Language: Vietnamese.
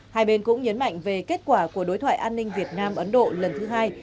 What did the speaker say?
hai bên cũng nhấn mạnh về kết quả của đối thoại an ninh việt nam ấn độ lần thứ hai